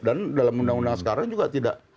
dan dalam undang undang sekarang juga tidak